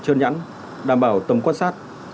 trơn nhẵn đảm bảo tầm quan sát